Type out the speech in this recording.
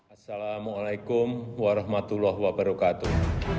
assalamualaikum warahmatullahi wabarakatuh